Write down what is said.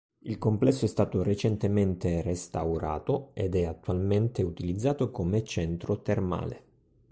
Il complesso è stato recentemente restaurato ed è attualmente utilizzato come centro termale.